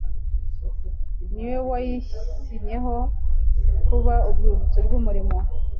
Niwe wayishyinyeho kuba urwibutso rw'umurimo